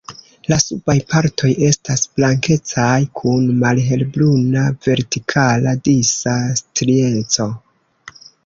La subaj partoj estas blankecaj kun malhelbruna vertikala disa strieco.